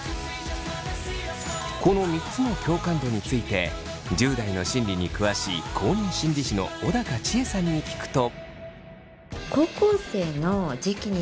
この３つの共感度について１０代の心理に詳しい公認心理師の小高千枝さんに聞くと。